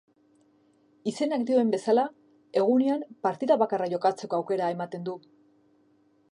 Izenak dioen bezala, egunean partida bakarra jokatzeko aukera ematen du.